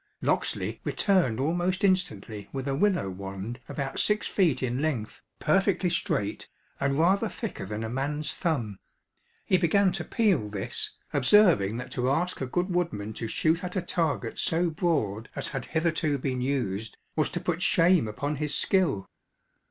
Locksley returned almost instantly with a willow wand about six feet in length, perfectly straight, and rather thicker than a man's thumb. He began to peel this, observing that to ask a good woodman to shoot at a target so broad as had hitherto been used, was to put shame upon his skill.